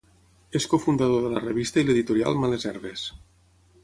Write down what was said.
És cofundador de la revista i l’editorial Males Herbes.